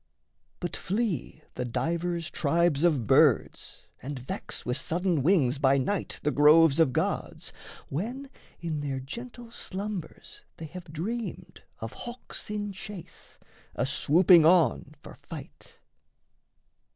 But flee the divers tribes of birds and vex With sudden wings by night the groves of gods, When in their gentle slumbers they have dreamed Of hawks in chase, aswooping on for fight.